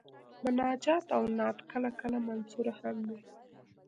مناجات او نعت کله کله منثور هم وي.